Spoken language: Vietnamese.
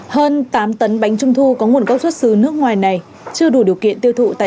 hơn tám tấn bánh trung thu có nguồn gốc xuất xứ nước ngoài này chưa đủ điều kiện tiêu thụ tại